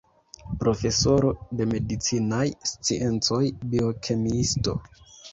Profesoro de medicinaj sciencoj, biokemiisto.